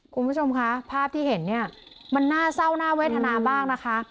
คุณผู้ชมคะภาพที่เห็นเนี่ยมันน่าเศร้าน่าเวทนาบ้างนะคะ